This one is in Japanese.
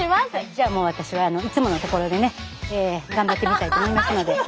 じゃあもう私はいつものところでね頑張ってみたいと思いますので。